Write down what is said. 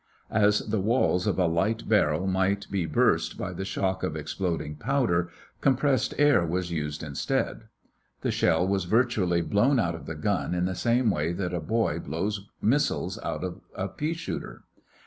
As the walls of a light barrel might be burst by the shock of exploding powder, compressed air was used instead. The shell was virtually blown out of the gun in the same way that a boy blows missiles out of a pea shooter.